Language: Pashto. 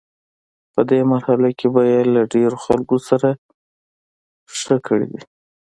په دغه مرحله کې به یې له ډیرو خلکو سره ښه کړي وي.